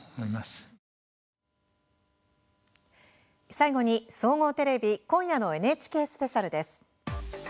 最後に、総合テレビ今夜のＮＨＫスペシャルです。